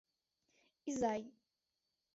Изай!..